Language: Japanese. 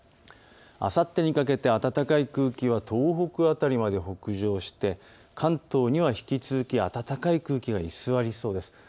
あさってにかけては暖かい空気は東北辺りまで北上して関東には引き続き暖かい空気が居座りそうです。